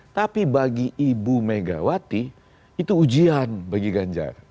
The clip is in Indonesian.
tapi bagi ibu megawati itu ujian bagi ganjar